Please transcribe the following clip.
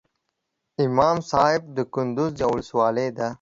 امام صاحب دکندوز یوه ولسوالۍ ده